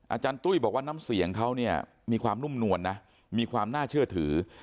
อาจารย์ตุ้ยบอกว่าน้ำเสียงเขาเนี่ยมีความนุ่มนวลนะมีความน่าเชื่อถือ